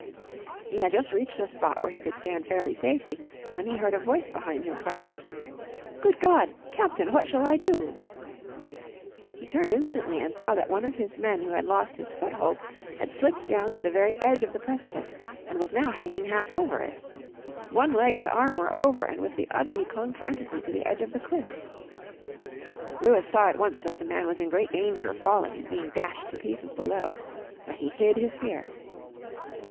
He had just reached a spot where he could stand fairly safely when he heard a voice behind him cry out: "Good God! Captain, what shall I do?" He turned instantly and saw that one of his men who had lost his foothold had slipped down to the very edge of the precipice and was now hanging half over it. One leg and arm were over, and with the other he clung frantically to the edge of the cliff. Lewis saw at once that the man was in great danger of falling and being dashed to pieces below. But he hid his fear.